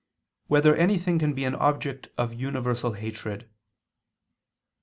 6] Whether Anything Can Be an Object of Universal Hatred?